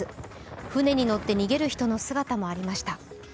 船に乗って逃げる人の姿もありました。